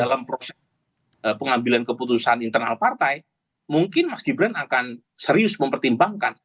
dalam proses pengambilan keputusan internal partai mungkin mas gibran akan serius mempertimbangkan